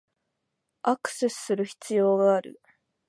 アクセスする必要がある